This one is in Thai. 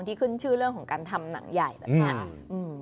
ที่ขึ้นชื่อเรื่องของการทำหนังใหญ่แบบนี้